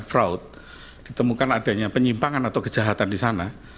fraud ditemukan adanya penyimpangan atau kejahatan di sana